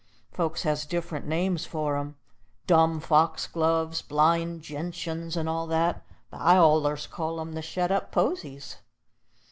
Folks has different names for 'em, dumb foxgloves, blind genshuns, and all that, but I allers call 'em the shet up posies.